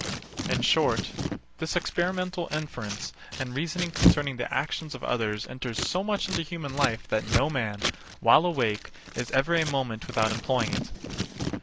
In short, this experimental inference and reasoning concerning the actions of others enters so much into human life that no man, while awake, is ever a moment without employing it.